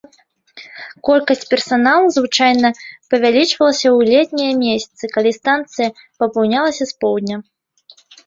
Колькасць персаналу звычайна павялічвалася ў летнія месяцы, калі станцыя папаўнялася з поўдня.